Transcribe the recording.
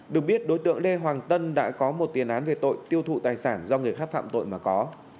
được biết đối tượng lê hoàng tân đã có một tiền án về tội tiêu thụ tài sản do người khác phạm tội mà có